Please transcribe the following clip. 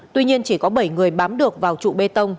tuy nhiên chỉ có bảy người bám được vào trụ bê tông